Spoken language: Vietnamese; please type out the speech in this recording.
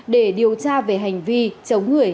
để điều tra về hành vi chống người